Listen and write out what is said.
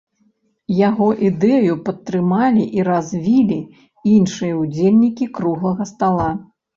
Яго ідэю падтрымалі і развілі іншыя ўдзельнікі круглага стала.